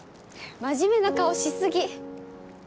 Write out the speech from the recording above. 真面目な顔し過ぎ。